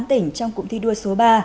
tám tỉnh trong cụm thi đua số ba